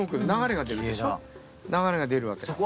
流れが出るわけ。